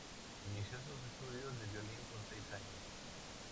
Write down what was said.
Inició sus estudios de violín con seis años.